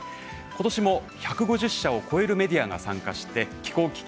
今年も１５０社を超えるメディアが参加して気候危機